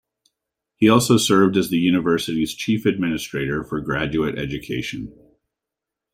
He also served as the university's chief administrator for graduate education.